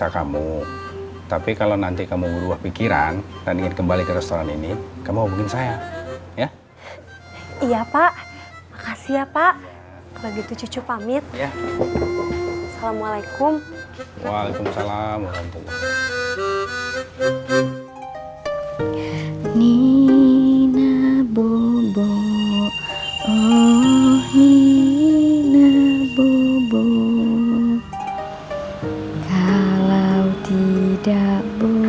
kalau tidak bembuk